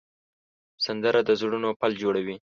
سندره د زړونو پل جوړوي